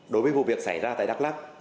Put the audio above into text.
đối với vụ việc xảy ra tại đắk lắk